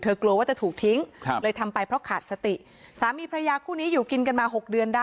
กลัวว่าจะถูกทิ้งครับเลยทำไปเพราะขาดสติสามีพระยาคู่นี้อยู่กินกันมาหกเดือนได้